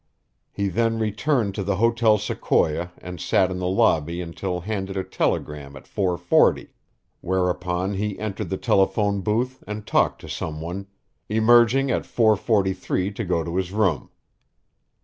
He then returned to the Hotel Sequoia and sat in the lobby until handed a telegram at 4:40; whereupon he entered the telephone booth and talked to someone, emerging at 4:43 to go to his room.